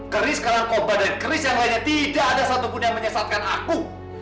kris kalangkobar dan kris yang lainnya tidak ada satupun yang menyesatkan aku